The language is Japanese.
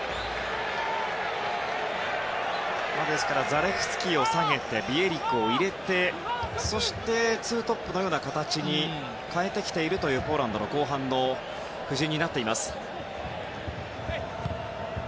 ザレフスキを下げてビエリクを入れてそして、２トップのような形に変えてきているポーランドの後半の布陣。